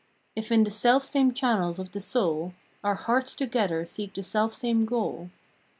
If in the selfsame channels of the soul Our hearts together seek the selfsame goal.